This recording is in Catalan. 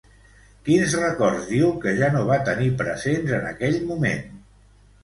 Quins records diu que ja no va tenir presents en aquell moment?